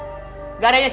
jangan jangan jangan